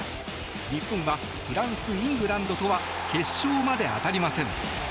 日本はフランス、イングランドとは決勝まで当たりません。